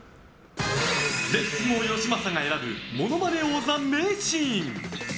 レッツゴーよしまさが選ぶ「ものまね王座」名シーン。